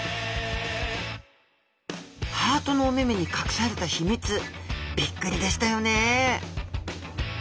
ハートのお目目に隠された秘密びっくりでしたよね！